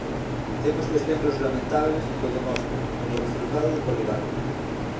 Temos exemplos lamentables que o demostran, como o resultado de Poligal.